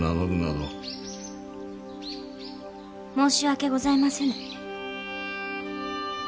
申し訳ございませぬ。